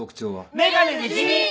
眼鏡で地味！